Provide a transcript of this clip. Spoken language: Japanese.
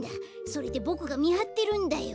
それでボクがみはってるんだよ。